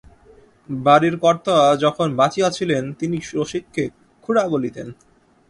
বাড়ির কর্তা যখন বাঁচিয়া ছিলেন তিনি রসিককে খুড়া বলিতেন।